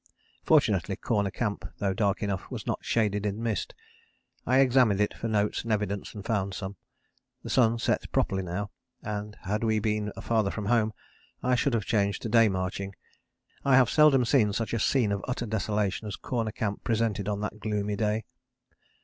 Fortunately Corner Camp, though dark enough, was not shaded in mist. I examined it for notes and evidence and found some. The sun set properly now, and had we been farther from home I should have changed to day marching. I have seldom seen such a scene of utter desolation as Corner Camp presented on that gloomy day.